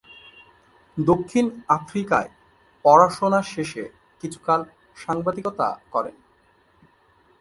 দক্ষিণ আফ্রিকায় পড়াশোনা শেষে কিছুকাল সাংবাদিকতা করেন।